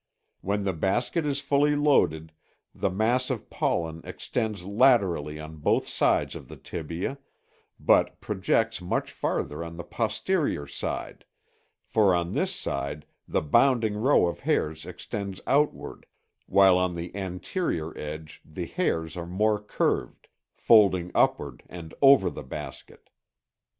When the basket is fully loaded the mass of pollen extends laterally on both sides of the tibia, but projects much farther on the posterior side, for on this side the bounding row of hairs extends outward, while on the anterior edge the hairs are more curved, folding upward and over the basket.